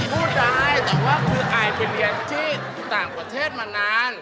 พูดได้แต่ว่าคืออายไปเรียนที่ต่างประเทศมานาน